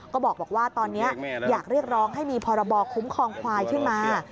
ก็บอกว่าตอนนี้อยากเรียกร้องให้มีพรบคุ้มครองควายขึ้นมา